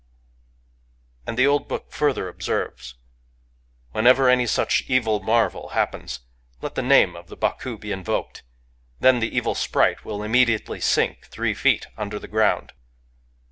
..•" And the old book further observes: "When ever any such evil marvel happens, let the name of the Baku be invoked: then the evil sprite will immediately sink three feet under the ground."